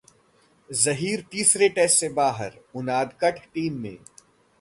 जहीर तीसरे टेस्ट से बाहर, उनादकट टीम में